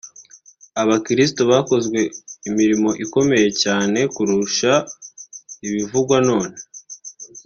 Abakirisitu bakoze imirimo ikomeye cyane kurusha ibivugwa none